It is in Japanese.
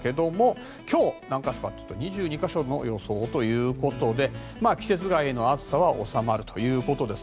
今日、何か所かというと２２か所の予想ということで季節外の暑さは収まるということです。